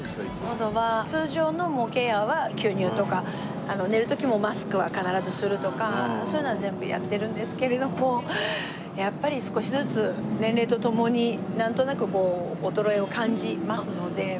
のどは通常のケアは吸入とか寝る時もマスクは必ずするとかそういうのは全部やってるんですけれどもやっぱり少しずつ年齢とともになんとなく衰えを感じますので。